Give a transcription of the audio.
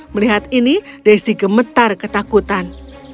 melihat ini desi gemetar ketakutan